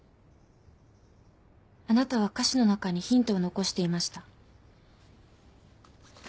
あなたは歌詞の中にヒントを残していました。